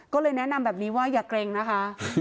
ก็เลยแนะนำแบบนี้ว่าอย่าเกร็งนะคะ